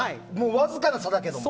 わずかな差だけど。